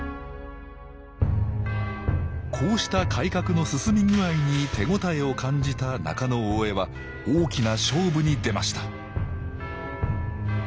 こうした改革の進み具合に手応えを感じた中大兄は大きな勝負に出ました